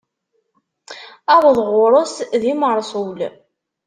Aweḍ ɣur-s d lmeṛsul.